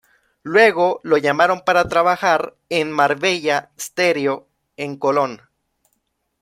Luego lo llamaron para trabajar en Marbella Stereo, en Colón.